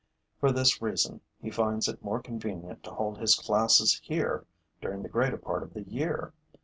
For this reason, he finds it more convenient to hold his class here during the greater part of the year.